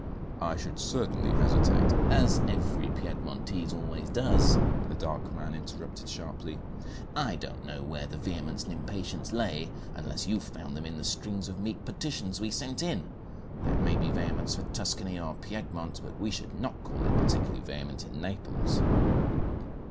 I should certainly hesitate " "As every Piedmontese always does," the dark man interrupted sharply. "I don't know where the vehemence and impatience lay, unless you found them in the strings of meek petitions we sent in. That may be vehemence for Tuscany or Piedmont, but we should not call it particularly vehement in Naples."